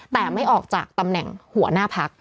แต่ไม่ออกจากตำแหน่งหัวหน้าพัก